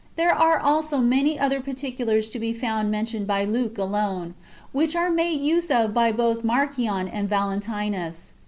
There are also many other particulars to be found mentioned by Luke alone, which are made use of by both Marcion and Yalentinus.